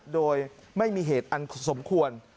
โดยไม่มีเหตุอันสมควร